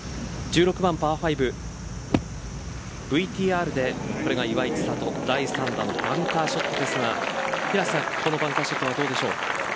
１６番パー５ＶＴＲでこれが岩井千怜第３打のバンカーショットですがこのバンカーショットはどうでしょう。